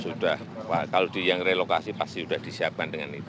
sudah kalau yang relokasi pasti sudah disiapkan dengan itu